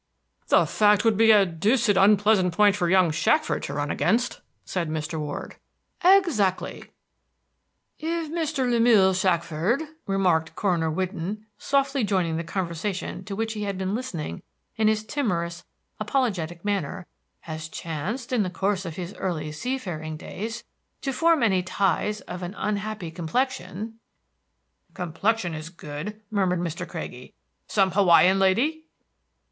"The fact would be a deuced unpleasant point for young Shackford to run against," said Mr. Ward. "Exactly." "If Mr. Lemuel Shackford," remarked Coroner Whidden, softly joining the conversation to which he had been listening in his timorous, apologetic manner, "had chanced, in the course of his early sea faring days, to form any ties of an unhappy complexion" "Complexion is good," murmured Mr. Craggie. "Some Hawaiian lady!"